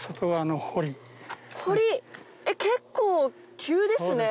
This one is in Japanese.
堀結構急ですね